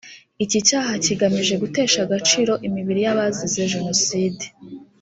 iki cyaha kigamije gutesha agaciro imibiri y’abazize jenoside